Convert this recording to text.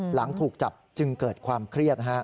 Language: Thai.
หลังถูกจับจึงเกิดความเครียด